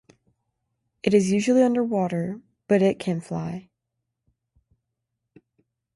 It is usually underwater, but it can fly.